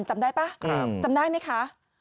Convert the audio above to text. จำได้ป่ะจำได้ไหมคะ